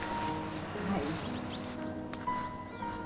はい。